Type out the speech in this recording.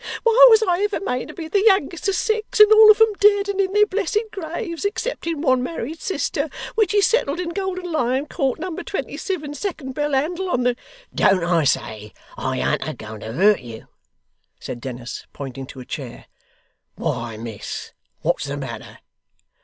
Why was I ever made to be the youngest of six, and all of 'em dead and in their blessed graves, excepting one married sister, which is settled in Golden Lion Court, number twenty sivin, second bell handle on the !' 'Don't I say I an't a going to hurt you?' said Dennis, pointing to a chair. 'Why miss, what's the matter?